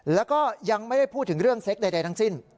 แล้วก็ยังไม่ได้พูดถึงเรื่องเซ็กใดทั้งสิ้น